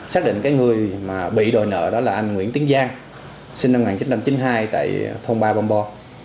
xác định cái người mà bị đòi nợ đó là anh nguyễn tiến giang sinh năm một nghìn chín trăm chín mươi hai tại thôn ba bonbo